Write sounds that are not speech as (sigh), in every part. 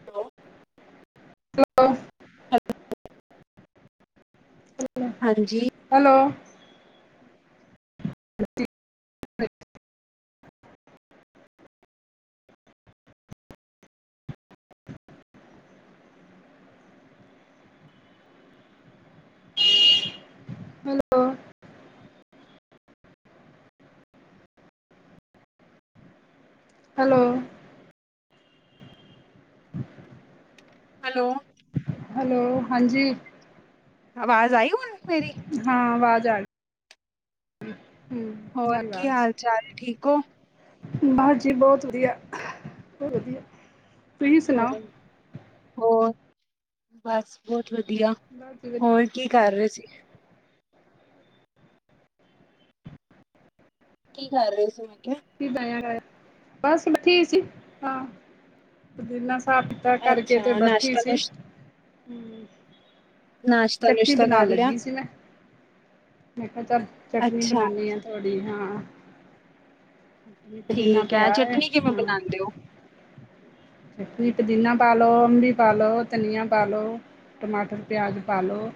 Hello hello, ਅੱਛਾ ਹਾਂਜੀ hello (inaudible) hello hello hello hello -ਹਾਂਜੀ। ਆਵਾਜ਼ ਆਈ ਹੁਣ ਮੇ ਹਾਂ ਵਾਜ਼ ਆ ਹੂੰ ਹੋਰ ਕੀ ਆਵਾਜ਼ ਹਾਲ-ਚਾਲ ਠੀਕ ਓ? ਬਸ ਜੀ ਬੋਤ ਵਧੀਆ, ਬੋ ਵਧੀਆ। ਤੁਸੀਂ ਸੁਣਾਓ ਹੋਰ, ਬਸ ਬੋਤ ਵਧੀਆ। (unintelligible) ਹੋਰ ਕੀ ਕਰ ਰੇ ਸੀ? ਕੀ ਕਰ ਰਹੇ ਸੀ ਮੈਂ ਕਿਆ? (unintelligible) ਬਸ ਉਠੀ ਸੀ ਹਾਂ, ਪੁਦੀਨਾ ਸਾ ਤਾਂ ਕਰਕੇ ਤੇ ਅੱਛਾ ਬੈਠੀ ਨਾਸ਼ਤਾ ਸੀ। ਨੁਸ਼ ਹੂੰ। ਨਾਸ਼ਤਾ ਚਟਨੀ ਨੂਸ਼ਤਾ ਬਣਾਉਣ ਕਰ ਲਿਆ? ਲੱਗੀ ਸੀ ਮੈਂ ਮੈਂ ਕਿਆ ਚਲ ਚਟਨੀ ਅੱਛਾ ਬਣਾਨੀ ਆ ਥੋੜ੍ਹੀ ਹਾਂ। ਪੁਦੀਨਾ ਠੀਕ ਹੈ ਪਿਆ ਐ ਚਟਨੀ ਕਿਵੇਂ ਹਾਂ। ਬਣਾਉਂਦੇ ਹੋ ਤੁਸੀਂ ਮੈਨੂੰ ਪੁਦੀਨਾ ਪਾਲੋ, ਅੰਬੀ ਪਾਲੋ, ਧਨੀਆ ਪਾਲੋੋ। ਟਮਾਟਰ, ਪਿਆਜ਼ ਪਾਲੋ।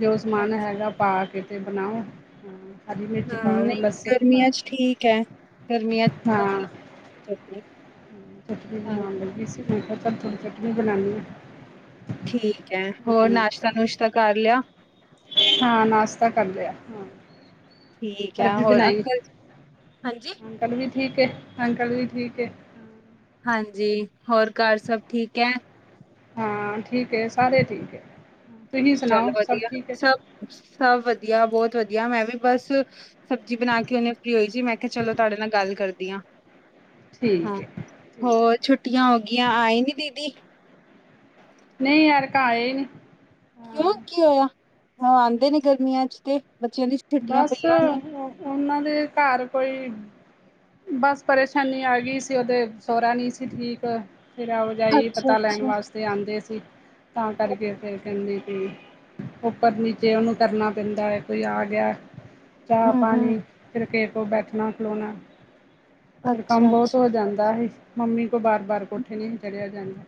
ਜੋ ਸਮਾਨ ਅੱਛਾ ਹੈਗਾ ਪਾ ਕੇ ਤੇ ਬਣਾਓ ਹਾਂ। ਹਰੀ ਮਿਰਚ ਹਾਂ ਪਾਓ ਨਈ ਲਸਣ ਪਾ ਗਰਮੀਆਂ 'ਚ ਠੀਕ ਐ। ਗਰਮੀਆਂ 'ਚ ਹਾਂ ਬਣਦੀ। ਚਟਨੀ ਹਾਂ ਬਣਾਣ ਲੱਗੀ ਸੀ ਮੈ ਖਿਆ ਚੱਲ ਥੋੜੀ ਚਟਨੀ ਬਣਾਣੀ ਆਂ। ਠੀਕ ਐ ਹੋਰ ਨਾਸ਼ਤਾ ਨੂਸ਼ਤਾ ਕਰ ਲਿਆ। ਹਾਂ ਨਾਸ਼ਤਾ ਕਰ ਲਿਆ ਹਾਂ। ਠੀਕ ਹੈ ਅਰਬੀ ਹੋਰ ਬਣਾਈ ਅੰਕਲ ਹਾਂਜੀ। ਅੰਕਲ ਵੀ ਠੀਕ ਏ-ਅੰਕਲ ਵੀ ਠੀਕ ਏ। ਹਾਂਜੀ ਹੋਰ ਘਰ ਸਭ ਠੀਕ ਐ। ਹਾਂ ਠੀਕ ਏ ਸਾਰੇ ਠੀਕ ਐ। ਤੁਹੀਂ ਚੱਲ ਸੁਣਾਓ ਸਭ ਵਧੀਆ ਠੀਕ ਐ। ਸਭ ਸਭ ਵਧੀਆ ਬੋਤ ਵਧੀਆ। ਮੈਂ ਵੀ ਬਸ ਸਬਜ਼ੀ ਬਣਾ ਕੇ ਹੁਨੇ ਫ੍ਰੀ ਹੋਈ ਸੀ। ਮੈਂ ਕਿਆ ਚਲੋ ਤਾਡੇ ਨਾਲ ਗੱਲ ਕਰਦੀ ਆਂ। ਹਾਂ ਠੀਕ ਹੈ ਠੀਕ ਹੋਰ ਛੁ ਟੀਆਂ ਹੋ ਗੀਆਂ, ਆਏ ਨੀ ਦੀਦੀ। ਨਈ ਐਰਕਾਂ ਆਏ ਨੀ। ਕਿਉਂ ਕੀ ਓਇਆ। ਓ ਆਂਦੇ ਨੀ ਗਰਮੀਆਂ 'ਚ ਤੇ ਬੱਚਿਆਂ ਦੀ ਛੁ ਬਸ ਓਨਾਂ ਦੇ ਘਰ ਕੋਈ ਬਸ ਪਰੇਸ਼ਾਨੀ ਆ ਗਈ ਸੀ, ਓਦੇ ਸੋਰਾ ਨੀ ਸੀ ਠੀਕ। ਫਿਰ ਆਓ ਜਾਈ ਅੱਛਾ ਪਤਾ ਲੈਣ ਅੱਛਾ ਵਾਸਤੇ ਆਂਦੇ ਸੀ ਤਾਂ ਕਰਕੇ ਫੇਰ। ਕਰਨੀ ਕਿਉਂ, ਉੱਪਰ ਨੀਚੇ ਓਨੂੰ ਕਰਨਾ ਪੈਂਦਾ ਏ ਕੋਈ ਆ ਗਿਆ। ਚਾਅ ਹਮ ਹਮ ਪਾਣੀ ਫੇਰ ਕਿਹੇ ਕੋ ਬੈਠਣਾ ਖਲੋਣਾ ਫੇਰ ਕੰਮ ਅੱਛਾ ਬੋਤ ਅੱਛਾ ਹੋ ਜਾਂਦਾ ਹੀ, ਮੰਮੀ ਕੋ ਬਾਰ ਬਾਰ ਕੋਠੇ ਨੀ ਹੀ ਚੜਿਆ ਜਾਂਦਾ।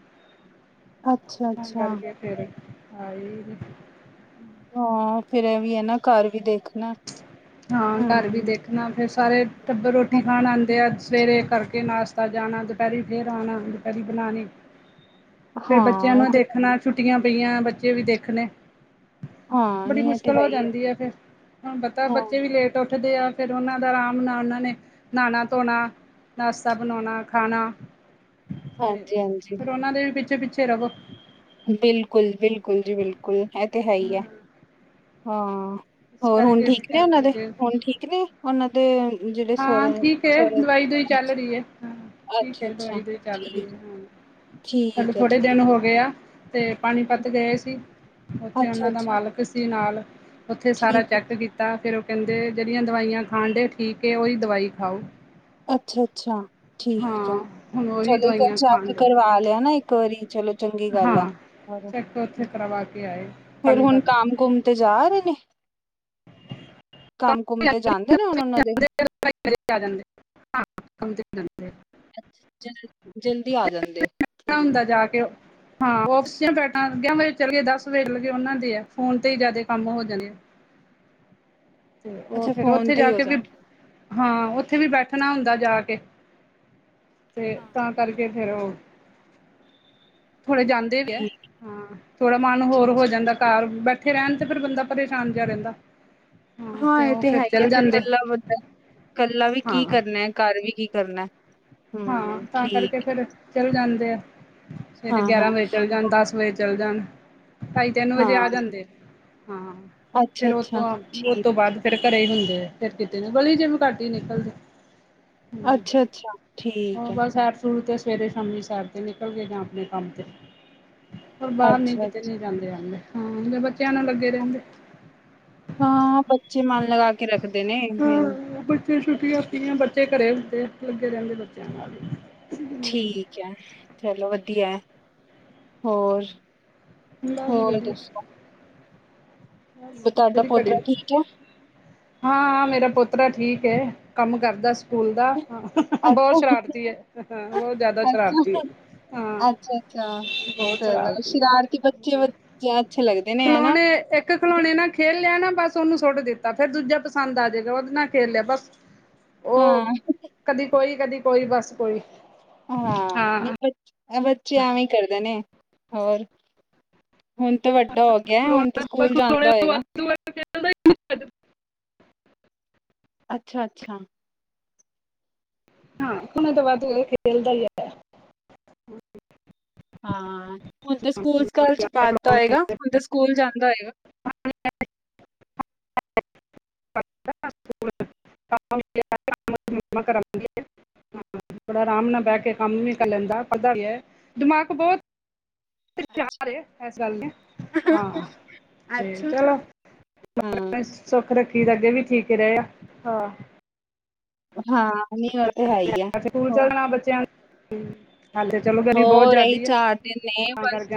ਅੱਛਾ ਤਾਂ ਅੱਛਾ ਕਰਕੇ ਫੇਰ ਆਈ ਨੀ ਹਾਂ ਫੇਰ ਐ ਵੀ ਏ ਨਾ ਘਰ ਵੀ ਦੇਖਣਾ। ਹਾਂ ਘਰ ਹਮ ਵੀ ਦੇਖਣਾ ਫੇਰ ਸਾਰੇ ਟੱਬਰ ਰੋਟੀ ਖਾਣ ਆਂਦੇ ਆ। ਸਵੇਰੇ ਕਰਕੇ ਨਾਸ਼ਤਾ ਜਾਣਾ, ਦਪੈਰੀ ਫੇਰ ਆਣਾ ਦੁਪੈਰੀ ਬਣਾਣੀ। ਫੇਰ ਬੱਚਿਆਂ ਹਾਂ ਇਹ ਨੂੰ ਤੇ ਹੈ ਹੀ ਦੇਖਣਾ, ਛੁੱਟੀਆਂ ਪਈਆਂ ਬੱਚੇ ਵੀ ਦੇਖਣੇ। ਹਾਂ ਬੜੀ ਨਹੀਂ ਇਹ ਤੇ ਮੁਸ਼ਕਿਲ ਹੈ ਹੋ ਹੀ ਹੈ ਜਾਂਦੀ ਆ ਫੇਰ। ਹੁਣ ਪਤਾ ਹਾਂ ਬੱਚੇ ਵੀ ਲੇਟ ਉੱਠਦੇ ਆ, ਫੇਰ ਓਨਾਂ ਦਾ ਆਰਾਮ ਨਾਲ ਓਨਾਂ ਨੇ ਨਾਣਾ ਧੋਣਾ। ਨਾਸ਼ਤਾ ਬਣਾਉਣਾ ਖਾਣਾ ਤੇ ਹਾਂਜੀ ਹਾਂਜੀ ਫਿਰ ਉਹਨਾ ਦੇ ਪਿੱਛੇ ਪਿੱਛੇ ਰਵੋ। ਬਿਲਕੁਲ ਬਿਲਕੁਲ ਜੀ ਬਿਲਕੁਲ ਇਹ ਤੇ ਹੈ ਹੀ ਹੈ ਹਾਂ। ਇਸ ਹੋਰ ਹੁਣ ਕਰਕੇ ਫਿਰ ਠੀਕ ਨੇ ਕਹਿਣ ਉਹਨਾਂ ਦੇ ਲੱਗੇ ਹੁਣ ਠੀਕ ਨੇ। ਉਹਨਾਂ ਦੇ ਜਿਹੜੇ ਸਹੁਰ ਹਾਂ ਠੀਕ ਹੈ ਸੁਰ ਦਵਾਈ ਦੁਈ ਚੱਲ ਰਹੀ ਹੈ ਹਾਂ ਠੀਕ ਅੱਛਾ ਹੈ ਅੱਛਾ ਦਵਾਈ ਦੁਈ ਚੱਲ ਰਹੀ ਹੈ ਠੀਕ ਠੀਕ ਹੈ ਠੀਕ। ਗਿਆ ਤੇ ਹੈ, ਪਾਣੀਪਤ ਗਏ ਸੀ ਉੱਥੇ ਅੱਛਾ ਉਹਨਾਂ ਦਾ ਅੱਛਾ ਮਾਲਕ ਸੀ ਨਾਲ। ਉੱਥੇ ਸਾਰਾ ਠੀਕ ਹੈ, ਚੈੱਕ ਕੀਤਾ ਫੇਰ ਉਹ ਕਹਿੰਦੇ ਜਿਹੜੀਆਂ ਦਵਾਈਆਂ ਖਾਣ ਡਏ ਉਹ ਠੀਕ ਏ ਉਹੀ ਦਵਾਈ ਖਾਓ। ਅੱਛਾ ਅੱਛਾ ਠੀਕ ਹੈ ਹਾਂ ਹੁਣ ਉਹੀ ਚਲੋ ਇੱਕ ਦਵਾਈਆਂ ਖਾਣ ਚੈੱਕ ਡੇ ਕਰਵਾ ਲਿਆ ਨਾ ਇੱਕ ਵਾਰੀ। ਚਲੋ ਚੰਗਾ। ਹਾਂ ਚੈੱਕ ਉੱਥੇ ਕਰਵਾ ਕੇ ਆਏ। ਫੇਰ ਹੁਣ ਪਾਣੀਪਤ। ਕੰਮ ਕੁਮ ਤੇ ਜਾ ਰਹੇ ਨੇ। ਕੰਮ ਕੁਮ ਤੇ ਜਾਂਦੇ ਨੇ ਹੁਣ ਉਹਨਾਂ ਦੇ। । (unintelligible) ਹਾਂ ਕੰਮ ਤੇ ਜਾਂਦੇ ਆ ਅ ਜਲ ਜਲਦੀ ਆ ਜਾਂਦੇ ਆ ਹੁੰਦਾ ਜਾ ਕੇ ਹਾਂ ਉਫਿਸ ਬੈਠਾਂ ਅੱ ਵਜੇ ਚਲੇ ਗਏ ਦਸ ਵਜੇ ਚੱਲ ਗਏ ਉਹਨਾਂ ਦੇ ਆ ਫੋਨ ਤੇ ਹੀ ਜਿਆਦਾ ਕੰਮ ਹੋ ਜਾਂਦੇ ਆ। ਤੇ ਉਹ ਅੱਛਾ ਫੇਰ ਫੋਨ ਉੱਥੇ ਤੇ ਹੀ ਜਾ ਹੋ ਕੇ ਵੀ ਜਾਂਦੇ ਹਾਂ ਉੱਥੇ ਵੀ ਬੈਠਣਾ ਹੁੰਦਾ ਜਾ ਕੇ ਤੇ ਹਾਂ ਕੰ ਹਾਂ, ਕਰਕੇ ਫਿਰ ਉਹ ਥੋੜੇ ਜਾਂਦੇ। ਠੀਕ ਥੋੜਾ ਮਨ ਅੱਛਾ ਹੋਰ ਹੋ ਅੱਛਾ ਜਾਂਦਾ ਘਰ ਬੈਠੇ ਰਹਿਣ ਤੇ ਫਿਰ ਬੰਦਾ ਪਰੇਸ਼ਾਨ ਜਿਹਾ ਰਹਿੰਦਾ। ਹਾਂ ਇਹ ਤੇ ਹੈ ਹੀ ਹੈ ਫਿਰ ਇਕੱਲਾ ਬੰਦਾ ਇਕੱਲਾ ਵੀ ਹਾਂ ਕੀ ਕਰਨਾ ਘਰ ਵੀ ਕੀ ਕਰਨਾ। ਹਾਂ ਹੂੰ, ਤਾਂ ਕਰਕੇ ਠੀਕ ਫਿਰ ਚਲੇ ਜਾਂਦੇ ਆ ਸਵੇਰੇ ਹਾਂ-ਹਾਂ, ਗਿਆਰਾਂ ਵਜੇ ਚਲੇ ਜਾਣ ਦਸ ਵਜੇ ਚੱਲ ਜਾਣ ਢਾਈ ਤਿੰਨ ਵਜੇ ਹਾਂ ਆ ਜਾਂਦੇ ਹਾਂ ਫੇਰ ਅੱਛਾ-ਅੱਛਾ, ਉਹਤੋਂ ਉ ਠੀਕ ਤੋਂ ਬਾਦ ਫੇਰ ਘਰੇ ਹੀ ਹੁੰਦੇ ਆ ਫੇਰ ਕਿਤੇ ਨਾ ਗਲੀ ਚ ਵੀ ਘੱਟ ਈ ਨਿਕਲਦੇ ਹਮ ਅੱਛਾ, ਅੱਛਾ ਉਹ ਬਸ ਸੈਰ ਸੂਰ ਤੇ ਸਵੇਰੇ ਸ਼ਾਮੀ ਸੈਰ ਤੇ ਨਿਕਲ ਗਏ ਜਾ ਆਪਣੇ ਕੰਮ ਤੇ ਪਰ ਬਾਹਰ ਨਹੀਂ ਕਿਤੇ ਅੱਛਾ-ਅੱਛਾ, ਨਹੀਂ ਜਾਂਦੇ ਆਦੇ ਜਾ ਬੱਚਿਆਂ ਨਾਲ ਲੱਗੇ ਰਹਿੰਦੇ ਹਾਂ ਬੱਚੇ ਮਨ ਲਗਾ ਕੇ ਰੱਖ ਰੱਖਦੇ ਨੇ ਮੈਨੂੰ ਹਾਂ ਬੱਚੇ ਛੁੱਟੀਆ ਹੁੰਦੀਆਂ ਬੱਚੇ ਘਰੇ ਹੁੰਦੇ ਲੱਗੇ ਰਹਿੰਦੇ ਬੱਚਿਆਂ ਨਾਲ ਹੀ ਠੀਕ ਏ ਚਲੋ ਵਧੀਆ ਹੋਰ ਬਸ ਜੀ ਵਧੀਆ ਬਸ ਬ- ਤੁਹਾਡਾ ਕਿਹੜੀ ਪੋਤਰਾ ਘੜੀ ਠੀਕ ਹੈ। ਹਾਂ ਮੇਰਾ ਪੁੋਤਰਾ ਠੀਕ ਏ ਕੰਮ ਕਰਦਾ ਸਕੂਲ ਦਾ ਬੋਤ ਸ਼ਰਾਰਤੀ ਏ ਹ ਬੋਤ ਜ਼ਾਦਾ ਸ਼ਰਾਰਤੀ ਏ ਅੱਛਾ, ਅੱਛਾ ਚ ਸ਼ਰਾਰਤੀ ਬੱਚੇ ਅੱਛੇ ਲੱਗਦੇ ਨੇ ਹਨਾ ਖਿਲੌਣੇ ਇੱਕ ਖਲੌਣੇ ਨਾਲ ਖੇਲ ਲਿਆ ਨਾ ਬਸ ਉਹਨੂੰ ਸੁੱਟ ਦਿੱਤਾ ਫੇਰ ਦੂਜਾ ਪਸੰਦ ਆ ਜੇਗਾ ਉਹਦੇ ਨਾਲ ਖੇਲ ਲਿਆ ਬਸ ਉਹ ਹਾਂ ਕਦੀ ਕੋਈ ਕਦੀ ਕੋਈ ਬਸ ਕੋਈ ਹਾਂ ਨਹੀਂ ਆ ਬੱਚੇ ਐਵੇਂ ਈ ਕਰਦੇ ਨੇ ਹੋਰ ਹੁਣ ਤਾਂ ਵੱਡਾ ਹੋ ਗਿਆ ਗਿਆ ਹੁਣ ਤੇ ਸਕੂਲ ਜਾਂਦਾ ਹੋਏਗਾ ਦੂ (unintelligible) ਅੱਛਾ, ਅੱਛਾ ਹਾਂ ਓਨਾਂ ਤਾਂ ਵਾਧ ਖੇਲਦਾ ਹੀ ਆਯਾ ਐ। ਹਾਂ ਹੁਨ ਤਾਂ ਸਕੂਲ- ਸਕਾਲ ਚ ਪਾਤਾ ਹੋਏਗਾ ਹੁਨ ਤਾਂ ਸਕੂਲ ਜਾਂਦਾ ਹੋਏਗਾ। ਕਰਗੇ (unintelligible) ਬੜੇ ਆਰਾਮ ਨਾਲ ਬਹਿ ਕੇ ਕੰਮ ਵੀ ਕਰ ਲੈਂਦਾ ਪਤਾ ਵੀ ਏ ਦਿਮਾਗ ਬੋਤ ਹੋਸ਼ਿਆਰ ਏ ਇਸ ਗੱਲ ਨੀ ਐ, ਹਾਂ ਤੇ ਅੱਛਾ। ਚਲੋ। ਹਾਂ ਸੁੱਖ ਰੱਖੀ ਤੇ ਅੱਗੇ ਵੀ ਠੀਕ ਰੇ ਆ, ਹਾਂ ਹਾਂ ਨਈ ਸਕੂਲ ਜਾਣਾ ਬੱਚਿਆਂ ਨੇ ਹਾਲੇ। ਚਲੋ ਗਰਮੀ ਬਹੁਤ ਹੋਰ ਏ ਹੀ ਜ਼ਿਆਦੀ ਹੈ ਚਾਰ ਦੀਨ ਨੇ ਤਾਂ ਬਸ,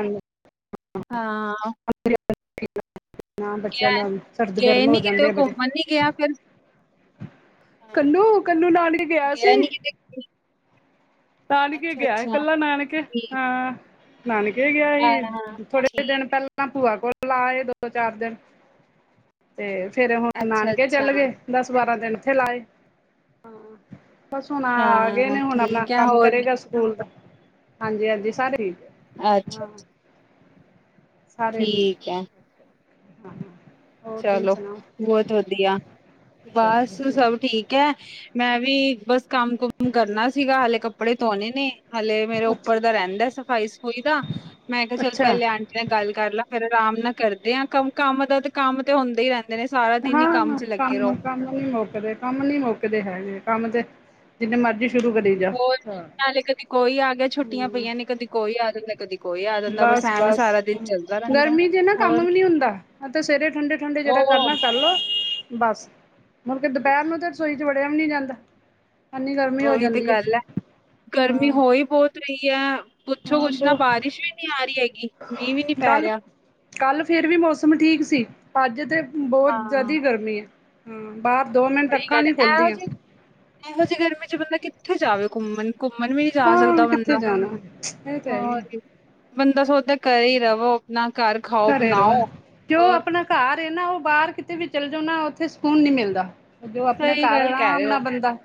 ਹਾਂ ਅੱ (unintelligible) ਨਾ ਗਿਆ ਬੱਚਿਆਂ ਦਾ ਸਰਦ ਗਏ ਗਰਮ ਹੋ ਨੀ ਕਿਤੇ ਜਾਂਦੇ ਉਹ ਆ ਬੜੇ। ਘੁੰਮਣ ਨੀ ਗਿਆ ਫਿਰ ਹਾਂ। ਕੰਨੂੰ- ਕੰਨੂੰ ਨਾਲ ਈ ਗਿਆ ਸੀ। ਨੀ ਕਿਤੇ ਨਾਨਕੇ ਅੱਛਾ ਗਿਆ ਅੱਛਾ। ਕੱਲਾ ਨਾਨਕੇ, ਠੀਕ ਹਾਂ। ਨਾਨਕੇ ਗਿਆ ਹੀ, ਹਾਂ ਥੋੜੇ ਠੀਕ ਦਿਨ ਪਹਿਲਾਂ ਪੂਆ ਕੋਲ ਲਾਏ ਦੋ- ਚਾਰ ਦਿਨ ਤੇ ਫੇਰ ਹੁਣ ਅੱਛਾ ਨਾਨਕੇ ਅੱਛਾ ਚੱਲ ਗੇ। ਦਸ ਬਾਰਾਂ ਦਿਨ ਓਥੇ ਲਾਏ, ਹਾਂ ਬਸ ਹੁਣ ਆ ਗਏ ਹਾਂ ਨੇ ਹੁਣ ਆਪਣਾ। ਠੀਕ ਹੈ ਹੋਰ ਫੇਰ ਆ ਸਕੂਲ ਦਾ ਹਾਂਜੀ- ਹਾਂਜੀ ਸਾਰੇ ਹੈ, ਅੱਛਾ ਹਾਂ ਠੀਕ ਏ ਹਹ (unintelligible) ਚਲੋ ਬੋਤ ਵਧੀਆ, ਸਭ ਬਸ ਵਧੀਆ ਸਭ ਜੀ। ਠੀਕ। ਕ ਐ ਮੈਂ ਵੀ ਬਸ ਕੰਮ ਕੁਮ ਕਰਨਾ ਸੀਗਾ ਹਲੇੇ ਕੱਪੜੇ ਤੋਨੇ ਨੇ। ਹਾਲੇ ਮੇਰੇ ਉੱਪਰ ਦਾ ਰਹਿੰਦਾ ਐ ਸਫ਼ਾਈ ਸਫ਼ੂਈ ਦਾ, ਮੈਂ ਕਿਆ ਚੱਲ ਅੱਛਾ ਪਹਿਲੇ ਆਂਟੀ ਨਾਲ ਗੱਲ ਕਰ ਲਾ ਫੇਰ ਆਰਾਮ ਨਾਲ ਕਰਦੇ ਆਂ ਕੰਮ, ਕੰਮ ਦਾ ਤੇ ਕੰਮ ਤੇ ਹੁੰਦਾ ਈ ਰਹਿੰਦੇ। ਨੇ ਸਾਰਾ ਦਿਨ ਹੀ ਕੰਮ ਹਾਂ ਚ ਲੱਗੇ ਰਹੋ ਕੰਮ ਤਾ ਨਈ ਮੌਕਦੇ। ਕੰਮ ਨੀ ਮੁੱਕਦੇ ਹੈਗੇ ਕੰਮ ਤੇ ਜਿੰਨੇ ਮਰਜ਼ੀ ਸ਼ੁਰੂ ਕਰੀ ਜਾ ਹੋਰ ਨਾਲੇ ਕਦੇ ਕੋਈ ਆ ਗਿਆ ਛੁੱਟੀਆਂ ਹੂੰ ਪਈਆਂ ਨੇ ਕਦੀ ਕੋਈ ਆ ਜਾਂਦਾ। ਕਦੀ ਕੋਈ ਆ ਜਾਂਦਾ, ਬਸ ਐਵੇਂ ਸਾਰਾ ਦਿਨ ਚੱਲਦਾ ਰਹਿੰਦਾ, ਹੋਰ ਕੀ। ਤੇ ਸਵੇਰੇ ਠੰਡੇ-ਠੰਡੇ ਜਿਹੜਾ ਉਹ ਕਰਨਾ ਕਰ ਲੋ, ਬਸ। ਹੁਣ ਤੇ ਦੁਪਹਿਰ ਨੂੰ ਤੇ ਰਸੋਈ ਚ' ਵੜਿਆ ਵੀ ਨੀ ਜਾਂਦਾ। ਇੰਨੀ ਗਰਮੀ ਹੋ ਉਹੀ ਤੇ ਜਾਂਦੀ ਹੈ ਗੱਲ ਐ। ਗਰਮੀ ਹਾਂ ਹੋ ਹੀ ਬੋਤ ਰਹੀ ਐ, ਪੁੱਛੋ ਹਾਂ ਕੁਛ ਨਾ ਬ ਬਾਰਿਸ਼ ਵੀ ਨੀ ਆ ਰਹੀ ਹੈਗੀ ਮੀਂਹ ਵੀ ਨੀ ਪੈ ਕੱਲ ਰਿਹਾ। ਕੱਲ ਫੇਰ ਵੀ ਮੌਸਮ ਠੀਕ ਸੀ। ਅੱਜ ਤੇ ਬੋਤ ਹਾਂ, ਜ਼ਾਦੀ ਗਰਮੀ ਐ। ਹੂੰ ਬਾਹਰ ਦੋ ਮਿੰਟ ਸਹੀ ਅੱਖਾਂ ਗੱਲ ਨਈ ਐ। ਖੁਲ ਇਹੋ ਦੀਆਂ। ਜਿਹੀ ਇਹੋ ਜਿਹੀ ਗਰਮੀ ਚ' ਬੰਦਾ ਕਿੱਥੇ ਜਾਵੇ ਘੁੰਮਣ। ਘੁੰਮਨ ਵੀ ਨੀ ਜਾ ਹਾਂ ਸਕਦਾ ਕਿੱਥੇ ਬੰਦਾ, ਜਾਣਾ ਇਹ ਤਾਂ ਹੈ ਹੀ ਹੋਰ ਹੈ ਕਿ ਬੰਦਾ ਸੋਚਦਾ ਕਰੇ ਹੀ ਰਵੋ ਆਪਣਾ ਘਰ ਖਾਓ, ਘਰੇ ਰਵਨ ਬਣਾਓ। ਕਿਓ ਹੋਰ ਆਪਣਾ ਘਰ ਐ ਨਾ ਉ ਬਾਹਰ ਕਿਤੇ ਵੀ ਚਲ ਜਾਓ ਨਾ ਉੱਥੇ ਸਕੂਨ ਨੀ ਮਿਲਦਾ। ਜੋ ਆਪਣੇ ਸਹੀ ਘਰ ਗੱਲ ਕਹਿ ਆਰਾਮ ਰਹੇ ਨਾਲ ਹੋ, ਬੰਦਾ।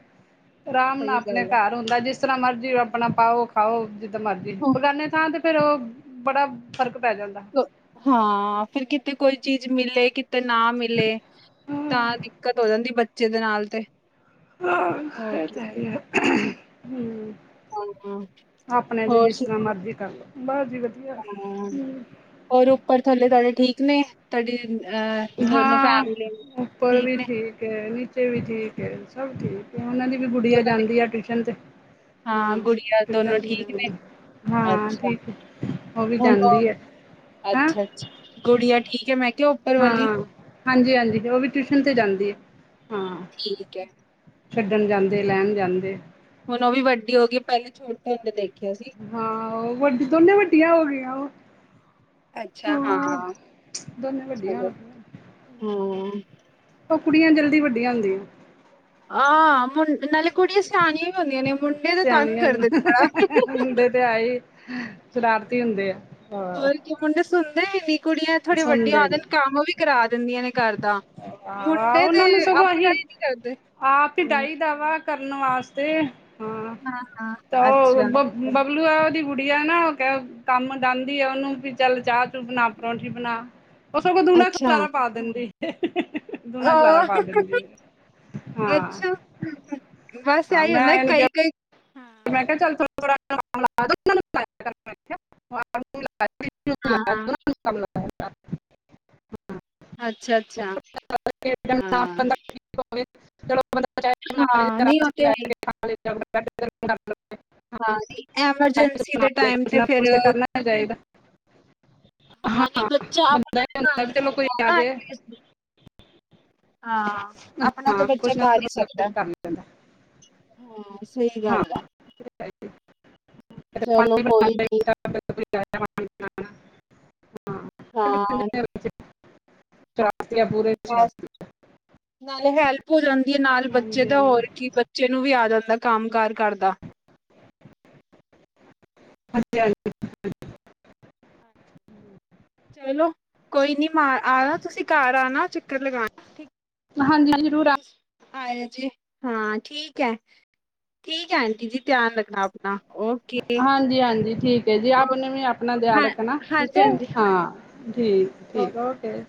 ਆਰਾਮ ਨਾਲ ਸਹੀ ਆਪਣੇ ਗੱਲ ਹੈ। ਘਰ। ਹੁੰਦਾ ਜਿਸ ਤਰਾਂ ਮਰਜ਼ੀ ਆਪਣਾ ਪਾਓ-ਖਾਓ ਜਿੱਦਾ ਮਰਜੀ ਹਾਂ, ਬਗਾਨੇ ਥਾਂ ਤੇ ਫੇਰ ਉਹ ਬੜਾ ਫ਼ਰਕ ਪੈ ਜਾਂਦਾ। ਹਾਂ ਫੇਰ ਕਿਤੇ ਕੋਈ ਚੀਜ਼ ਮਿਲੇ ਕਿਤੇ ਤੇ ਨਾ ਮਿਲੇ ਹਾਂ ਤਾਂ ਦਿੱਕਤ ਹੋ ਜਾਂਦੀ ਬੱਚੇ ਦੇ ਨਾਲ ਤੇ। ਹਾਂ ਹੋਰ ਇਹ ਕੀ ਤਾਂ ਹੈ ਹੀ ਆ ਹੂੰ। ਹਾਂ, ਆਪਣੇ ਤੇ ਹੋਰ ਜਿਸ ਤਰ੍ਹਾਂ ਮਰਜੀ ਕਰੋ ਬਸ ਜੀ ਵਧੀਆ ਸੁਣਾਓ? ਹ। ਹੋਰ ਉੱਪਰ ਥੱਲੇ ਤੁਹਾਡੇ ਠੀਕ ਨੇ ਤੁਹਾਡੀ ਅਹ ਦੋਨੋ ਹਾਂ। ਫੈਮਲੀ ਉੱਪਰ ਵੀ ਠੀਕ ਏ, ਨੀਚੇ ਵੀ ਠੀਕ ਏ, ਸਭ ਠੀਕ। ਓਨਾਂ ਦੀ ਵੀ ਗੁੜੀਆ ਦੋਨਾਂ ਦੀ ਜਾਂਦੀ ਆ ਟਿਊਸ਼ਨ ਤੇ ਹਾਂ, ਗੁੜੀਆ ਦੋਨੋ ਟਿਊਸ਼ਨ ਤੇ ਠੀਕ ਨੇ? ਜਾਂਦੀ ਏ। ਹਾਂ, ਅੱਛਾ, ਠੀਕ ਏ ਉਹ ਵੀ ਹੁਣ ਉਹ ਜਾਂਦੀ ਏ। ਅੱਛਾ-ਅੱਛਾ ਗੁੜੀਆ ਠੀਕ ਏ ਮੈਂ ਕਿਹਾ ਓ ਹਾਂ। ਹਾਂਜੀ-ਹਾਂਜੀ ਓ ਵੀ ਟਿਊਸ਼ਨ ਤੇ ਜਾਂਦੀ ਏ, ਹਾਂ। ਠੀਕ ਐ। ਛੱਡਣ ਜਾਂਦੇ, ਲੈਣ ਜਾਂਦੇ। ਹੁਣ ਓ ਵੀ ਵੱਡੀ ਹੋ ਗਈ, ਪੇਲੇ ਛੋਟੇ ਹੁੰਦੇ ਦੇਖਿਆ ਸੀ। ਹਾਂ। ਵੱਡੀ ਦੋਨੋ ਵੱਡੀਆਂ ਹੋ ਗਈਆਂ ਵਾ। ਅੱਛਾ, ਹਾਂ। ਦੋਨੇ ਵੱਡੀਆਂ ਹੋ ਚਲੋ ਗਈਆਂ ਹਮ। ਸਗੋ ਕੁੜੀਆਂ ਜਲਦੀ ਵੱਡੀਆਂ ਹੁੰਦੀਆਂ। ਹਾਂ ਮੁ ਨਾਲੇ ਕੁੜੀਆਂ ਸਿਆਣੀਆਂ ਵੀ ਹੁੰਦੀਆਂ ਨੇ ਮੁੰਡੇ ਦਾ ਤੰਗ ਕਰਦੇ ਨੇ ਬੜਾ ਹਹ ਓ, ਤੇ, ਹੈ, ਈ, ਸ਼ਰਾਰਤੀ ਹੁੰਦੇ ਆ, ਹਾ ਕੇ ਮੁੰਡੇ ਸੁਣਦੇ ਹੈਨੀ, ਕੁੜੀਆਂ ਥੋੜੀਆਂ ਵੱਡੀਆਂ ਹੋ ਸੁਣਦੇ ਜਾਣ ਕੰਮ ਵੀ ਕਰਾ ਦਿੰਦੀਆਂ ਨੇ ਘਾਰ ਦਾ। ਆਹ ਮੁੰਡੇ ਤੇ ਓਨਾਂ ਨੂੰ ਸਗੋਂ ਆਪਣਾ ਅਸੀ ਈ ਨੀ ਕਰਦੇ, ਆਪ ਈ ਡਾਹੀ ਦਾ ਵਾ ਕੰਮ ਕਰਨ ਵਾਸਤੇ, ਹਾਂ, ਹਾਂ-ਹਾਂ, ਤਾਂ ਓ, ਅੱਛਾ। ਬ ਬਬਲੂ ਆ, ਓਦੀ ਗੁੜੀਆ ਨਾ ਉਹ ਕ ਕੰਮ ਡਾਂਦੀ ਆ ਓਨੂੰ ਵੀ ਚੱਲ ਚਾਹ ਬਣਾ ਪਰੌਠੀ ਬਣਾ ਉਹ ਸਗੋਂ ਦੁਗਣਾ ਅੱਛਾ, ਖਲਾਰਾ ਪਾ ਦਿੰਦੀ ਹਹ ਦੁਗਣਾ ਖਲਾਰਾ ਪਾ ਉਹ ਦਿੰਦੀ। ਹਾਂ ਅੱਛਾ, ਬਸ ਹਾਂ ਏਹੀ ਮੈਂ ਹੁੰਦਾ ਇਹਨੂੰ ਕਿਹਾ ਕਈ-ਕਈ ਮੈਂ ਕੇਹਾ ਚੱਲ ਥੋੜਾ-ਥੋੜਾ ਕੰਮ ਕਰਾ ਦੋ, ਮੈ ਤਾਨੂੰ ਪੈਕ ਕਰ ਦਿਨੀ ਆ। (unintelligible) ਹਾਂ-ਹਾਂ। ਅੱਛਾ-ਅੱਛਾ, ਹਾਂ। ਬੰਦਾ ਹਾਂ, ਨਹੀਂ ਉਹ ਤੇ ਹੈ ਹੀ, (unintelligible) ਹਾਂਜੀ। ਐਮਰਜੈਂਸੀ ਦੇ ਟਾਈਮ ਤੇ ਫੇਰ ਦੇਖਾ ਜਾਏਗਾ। ਹਾਂ, ਨਈ ਬੱਚਾ ਬੰਦਾ ਆਪਣਾ ਇਹ ਤਾ ਕਾਰ ਹੁੰਦਾ ਵੀ ਹੀ ਚਲੋ ਕੋਈ ਆ ਸਕਦਾ ਜੇ ਹੈ। ਹਾਂ। ਆਪਣਾ ਤਾਂ ਹਾਂ ਬੱਚਾ ਕੁਛ ਨਾ ਕਰ ਕੁਛ ਈ ਬੰਦਾ ਕੁਝ ਸਕਦਾ। ਕਰ ਲੈਂਦਾ ਹਾਂ ਸਹੀ ਹਾਂ ਗੱਲ ਆ, ਚਲੋ ਕੋਈ ਨੀ। (unintelligible) ਹਾਂ ਕਰ ਤੀ, ਆ ਪੂਰੀ ਇੱਛਾ। ਬਸ ਨਾਲੇ ਹੈਲਪ ਹੋ ਜਾਂਦੀ ਐ ਨਾਲ ਬੱਚੇ ਹਾਂਜੀ ਹਾਂਜੀ ਦਾ ਹੋਰ ਹਾਂਜੀ ਕੀ ਬੱਚੇ ਨੂੰ ਵੀ ਆ ਜਾਂਦਾ ਕੰਮ ਕਾਰ ਘਰ ਦਾ। ਹਾਂਜੀ- ਹਾਂਜੀ। ਚਲੋ ਕੋਈ ਨੀ ਮ ਆਣਾ ਤੁਸੀਂ ਘਰ ਆਣਾ, ਚੱਕਰ ਲਗਾਣਾ, ਠੀਕ ਹਾਂਜੀ ਹਾਂਜੀ, ਜ਼ਰੂਰ ਆ- ਆਏਆ, ਜੇ ਹਾਂ ਠੀਕ ਐ। ਠੀਕ ਆ ਆਂਟੀ ਜੀ ਧਿਆਨ ਰੱਖਣਾ ਆਪਣਾ ਓਕੇ। ਹਾਂਜੀ -ਹਾਂਜੀ ਠੀਕ ਏ ਜੀ, ਆਪ ਨੇ ਵੀ ਆਪਣਾ ਧਿਆਨ ਰੱਖਣਾ ਠੀਕ ਏ, ਹਾਂ। ਠੀਕ- ਠੀਕ ਓਕੇ।